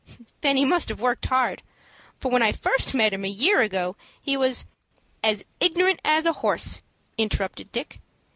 "Then he must have worked hard; for when I first met him a year ago, he was " "As ignorant as a horse," interrupted Dick.